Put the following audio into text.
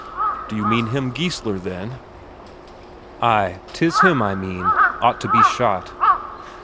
"D'you mean him Geissler, then?" "Ay, 'tis him I mean. Ought to be shot!"